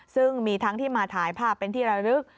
ซึ่งมีทั้งที่มาถ่ายภาพเป็นที่ระลึก